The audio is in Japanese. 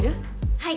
はい！